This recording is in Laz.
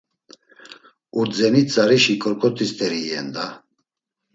Urdzeni tzarişi ǩorǩot̆i st̆eri iyen da.